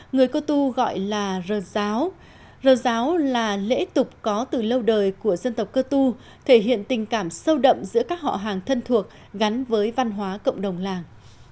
người cơ tu gọi là ráo ráo là lễ tục có từ lâu đời của dân tộc cơ tu thể hiện tình cảm sâu đậm giữa các họ hàng thân thuộc gắn với văn hóa cộng đồng làng